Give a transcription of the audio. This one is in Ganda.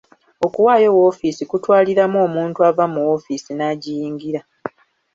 Okuwaayo woofiisi kutwaliramu omuntu ava mu woofiisi n'agiyingira.